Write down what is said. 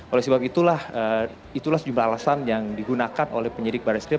oleh sebab itulah itulah sejumlah alasan yang digunakan oleh penyidik baris krim